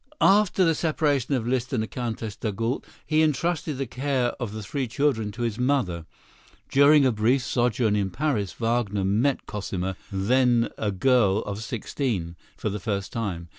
After the separation of Liszt and Countess d'Agoult, he entrusted the care of the three children to his mother. During a brief sojourn in Paris, Wagner met Cosima, then a girl of sixteen, for the first time.